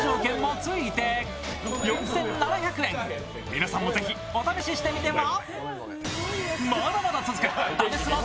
皆さんも、ぜひお試ししてみては。